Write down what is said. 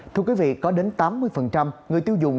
thưa quý vị có đến tám mươi người tiêu dùng